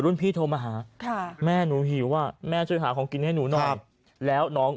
รุ่นพี่โทรมาหาแม่หนูหิวว่าแม่ช่วยหาของกินให้หนูแล้วน้อง